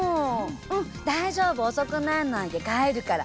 うん大丈夫遅くなんないで帰るから。